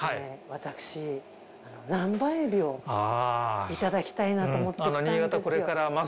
私南蛮エビをいただきたいなと思って来たんですよ。